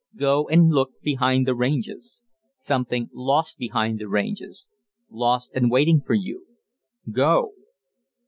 Go and look behind the Ranges Something lost behind the Ranges. Lost and waiting for you. Go!"